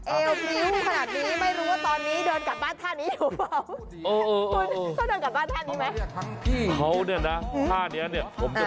เอวพริ้วขนาดนี้ไม่รู้ว่าตอนนี้เดินกลับบ้านท่านี้อยู่หรือเปล่า